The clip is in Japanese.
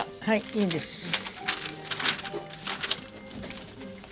はいいいです。